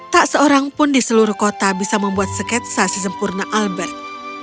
tak seorang pun di seluruh kota bisa membuat sketsa sesempurna albert